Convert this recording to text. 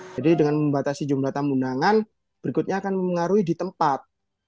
jadi dengan membatasi jumlah tamu undangan berikutnya akan mengaruhi di tempat